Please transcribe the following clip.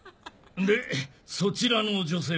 でそちらの女性は？